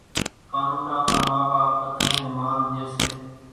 ڪانوڙا نان ما ٻاپ ٻڌانئين نين مانَ ڄي سي